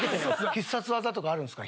必殺技とかあるんですか？